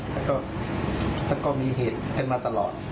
แล้วก็มีเหตุขึ้นมาตลอด